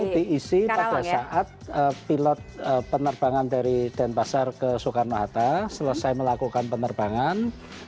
itu diisi pada saat pilot penerbangan dari denpasar ke soekarno hatta selesai melakukan penerbangan